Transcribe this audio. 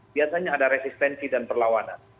biasanya ada resistensi dan perlawanan